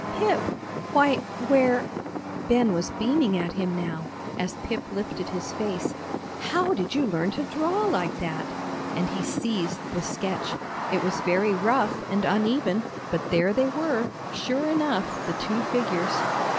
"Pip! why, where," Ben was beaming at him now, as Pip lifted his face, "how did you learn to draw like that?" and he seized the sketch. It was very rough and uneven, but there they were, sure enough, the two figures.